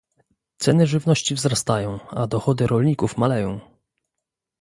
Ceny żywności wzrastają, a dochody rolników maleją